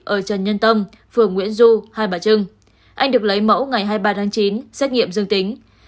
ở trần nhân tông phường nguyễn du hai bà trưng anh được lấy mẫu ngày hai mươi ba tháng chín xét nghiệm dương tính